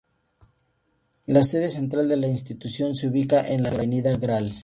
La sede central de la institución se ubica en la Avenida Gral.